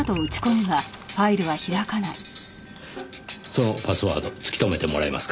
そのパスワード突き止めてもらえますか？